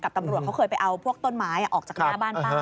กับตลอดเค้าเคยไปเอาพวกต้นไม้ออกจากยาบ้านป้า